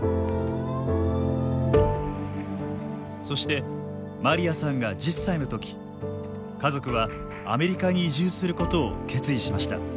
そして、マリアさんが１０歳のとき家族はアメリカに移住することを決意しました。